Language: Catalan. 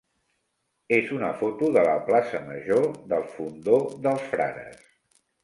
és una foto de la plaça major del Fondó dels Frares.